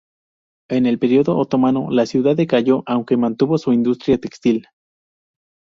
En el periodo otomano la ciudad decayó aunque mantuvo su industria textil.